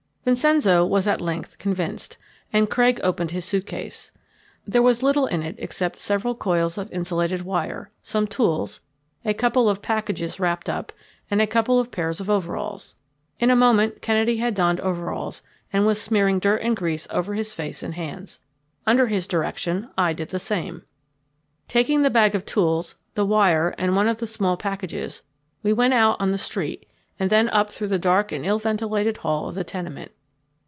Vincenzo was at length convinced, and Craig opened his suit case. There was little in it except several coils of insulated wire, some tools, a couple of packages wrapped up, and a couple of pairs of overalls. In a moment Kennedy had donned overalls and was smearing dirt and grease over his face and hands. Under his direction I did the same. Taking the bag of tools, the wire, and one of the small packages, we went out on the street and then up through the dark and ill ventilated hall of the tenement.